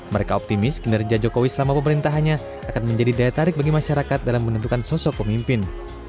mereka optimis kinerja jokowi selama pemerintahannya akan menjadi daya tarik bagi masyarakat dalam menentukan sosok pemimpin